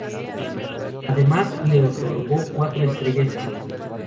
Además, le otorgó cuatro estrellas de cinco.